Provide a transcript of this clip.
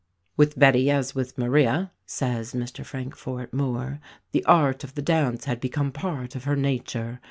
"With Betty as with Maria," says Mr Frankfort Moore, "the art of the dance had become part of her nature.